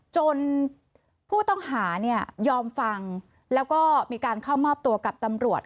จนผู้ต้องหาเนี่ยยอมฟังแล้วก็มีการเข้ามอบตัวกับตำรวจ